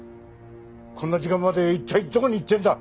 こんな時間まで一体どこに行ってるんだ！